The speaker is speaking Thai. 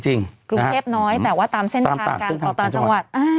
กรุงเทพน้อยแต่ว่าตามเส้นทางการต่อต่างจังหวัด